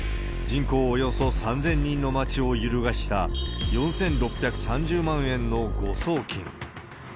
人口およそ３０００人の町を揺るがした４６３０万円の誤送金。